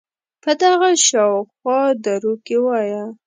په دغه شااو خوا دروکې وایه